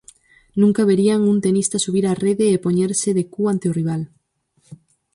Nunca verían un tenista subir á rede e poñerse de cu ante o rival.